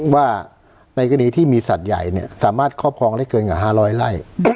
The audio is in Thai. ว่าในกรณีที่มีสัตว์ใหญ่เนี่ยสามารถครอบครองได้เกินกว่าห้าร้อยไล่